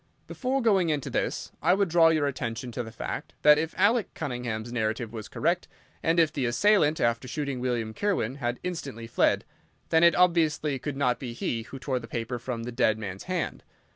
"Before going into this, I would draw your attention to the fact that, if Alec Cunningham's narrative was correct, and if the assailant, after shooting William Kirwan, had instantly fled, then it obviously could not be he who tore the paper from the dead man's hand.